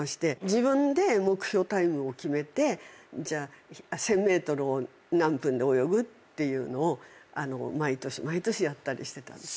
自分で目標タイムを決めて１，０００ｍを何分で泳ぐっていうのを毎年毎年やったりしてたんです。